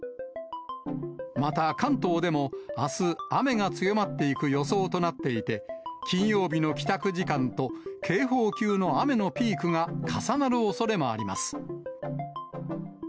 また関東でも、あす、雨が強まっていく予想となっていて、金曜日の帰宅時間と、警報級の雨のピークが重なるおそれもあります。